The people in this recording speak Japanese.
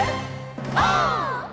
オー！